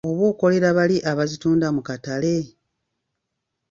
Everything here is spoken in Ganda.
Oba okolera bali abazitunda mu katale?